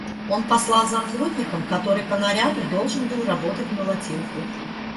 Он послал за плотником, который по наряду должен был работать молотилку.